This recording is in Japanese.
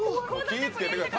気をつけてください。